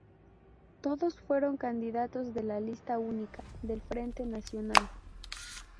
Todos fueron candidatos de la lista única del Frente Nacional.